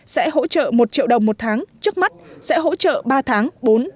sẽ hỗ trợ một triệu đồng một tháng trước mắt sẽ hỗ trợ ba tháng bốn năm sáu